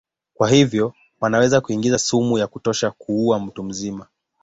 Kwa hivyo wanaweza kuingiza sumu ya kutosha kuua mtu mzima.